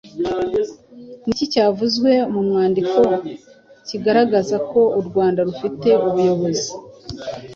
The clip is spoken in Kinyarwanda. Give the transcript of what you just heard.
Ni iki cyavuzwe mu mwandiko kigaragaza ko u Rwanda rufite ubuyobozi